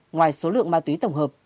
ngoài số lượng ma túy tổng hợp